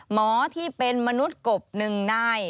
หมอที่เป็นมนุษย์กบ๑นาย